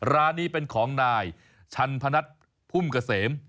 ร้านนี้เป็นของนายชันพนัทพุ่มเกษม